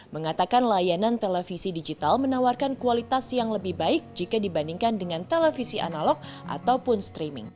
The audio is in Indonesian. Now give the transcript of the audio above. mengatakan layanan televisi digital menawarkan kualitas yang lebih baik jika dibandingkan dengan televisi analog ataupun streaming